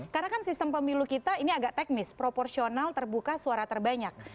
karena kan sistem pemilu kita ini agak teknis proporsional terbuka suara terbanyak